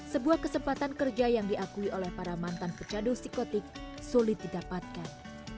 sebuah kesempatan kerja yang diakui oleh para mantan pecado psikotik sulit didapatkan